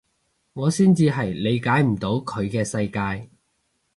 我先至係理解唔到佢嘅世界